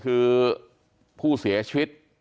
กลุ่มตัวเชียงใหม่